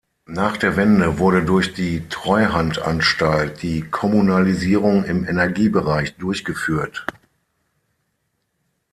Nach der Wende wurde durch die Treuhandanstalt die Kommunalisierung im Energiebereich durchgeführt.